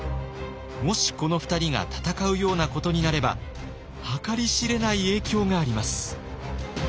もしこの２人が戦うようなことになれば計り知れない影響があります。